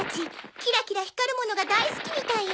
キラキラ光るものが大好きみたいよ。